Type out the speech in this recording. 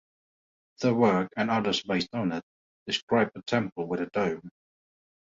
The work, and others based on it, describe a temple with a dome.